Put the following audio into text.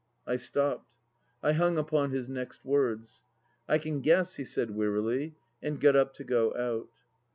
..." I stopped. I hung upon his next words. " I can guess," he said wearily, and got up to go out.